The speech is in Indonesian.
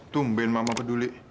tumben mama peduli